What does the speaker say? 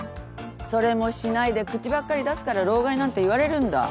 それもしないで口ばっかり出すから老害なんて言われるんだ。